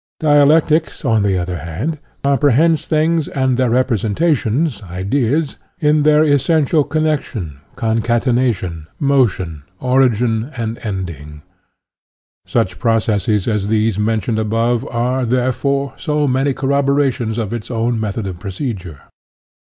Dialectics, on the other hand, comprehends things and their repre UTOPIAN AND SCIENTIFIC 83 Dentations, ideas, in their essential connec tion, concatenation, motion, origin, and end ing. Such processes as those mentioned above are, therefore, so many corroborations of its own method of procedure.